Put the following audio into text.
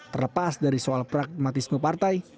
terlepas dari soal pragmatisme partai